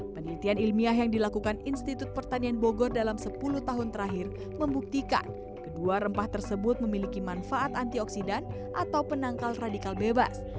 penelitian ilmiah yang dilakukan institut pertanian bogor dalam sepuluh tahun terakhir membuktikan kedua rempah tersebut memiliki manfaat antioksidan atau penangkal radikal bebas